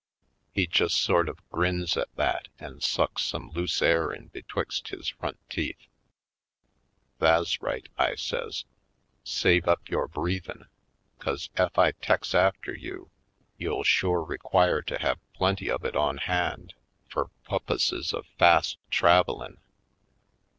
He just sort of grins at that and sucks some loose air in betwixt his front teeth. "Tha's right," I says, "save up yore breathin', 'cause ef I teks after you you'll shore require to have plenty of it on hand fur pu'pposes of fast travelin'.